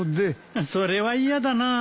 それは嫌だなあ。